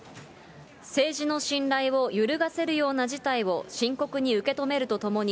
政治の信頼を揺るがせるような事態を深刻に受け止めるとともに、